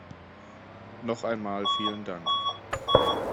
Noch einmal vielen Dank.